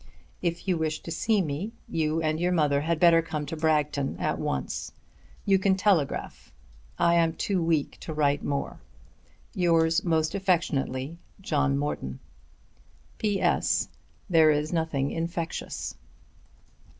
If you wish to see me, you and your mother had better come to Bragton at once. You can telegraph. I am too weak to write more. Yours most affectionately, JOHN MORTON. There is nothing infectious.